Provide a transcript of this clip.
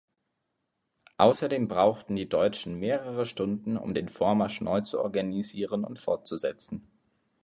Außerdem brauchten die Deutschen mehrere Stunden, um den Vormarsch neu zu organisieren und fortzusetzen.